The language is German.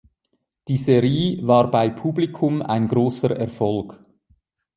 Die Serie war bei Publikum ein großer Erfolg.